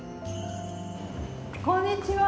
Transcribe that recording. こんにちは。